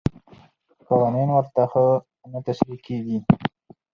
قوانین ورته ښه نه تشریح کېږي.